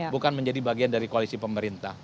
bukan menjadi bagian dari koalisi pemerintah